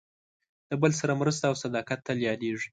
د بل سره مرسته او صداقت تل یادېږي.